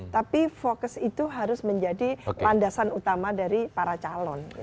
tapi fokus itu harus menjadi landasan utama dari para calon